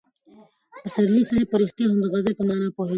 پسرلي صاحب په رښتیا هم د غزل په مانا پوهېده.